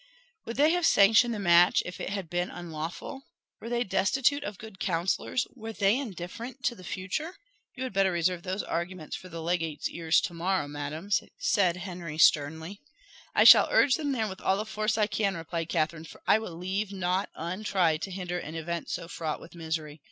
Would they have sanctioned the match if it had been unlawful? Were they destitute of good counsellors? Were they indifferent to the future?" "You had better reserve these arguments for the legates' ears tomorrow, madam," said Henry sternly. "I shall urge them there with all the force I can," replied Catherine, "for I will leave nought untried to hinder an event so fraught with misery.